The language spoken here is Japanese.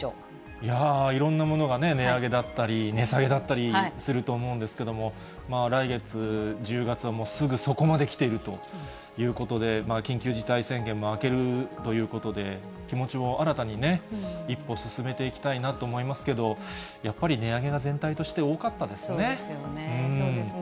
いやー、いろんなものが値上げだったり、値下げだったりすると思うんですけども、来月１０月はもう、すぐそこまで来ているということで、緊急事態宣言も明けるということで、気持ちも新たにね、一歩進めていきたいなと思いますけど、やっぱり値上げが全体として多かったでそうですね。